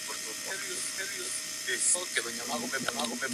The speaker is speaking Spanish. Ante la indiferencia de sus padres un niño huye de su hogar.